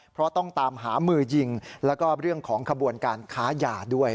เพราะต้องตามหามือยิงแล้วก็เรื่องของขบวนการค้ายาด้วย